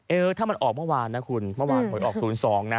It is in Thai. เออถ้ามันออกเมื่อวานนะคุณเมื่อวานผลออก๐๒นะ